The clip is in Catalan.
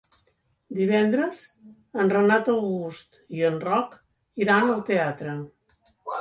Divendres en Renat August i en Roc iran al teatre.